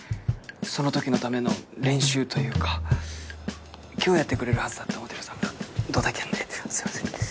その時のための練習というか今日やってくれるはずだったモデルさんがドタキャンですいません